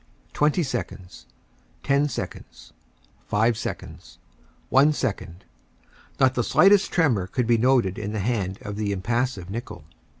Twenty seconds, ten seconds, five seconds, one second. Not the slightest tremor could be noted in the hand of the impassive Nicholl.